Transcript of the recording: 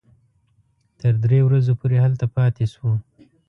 تر درې ورځو پورې هلته پاتې شوو.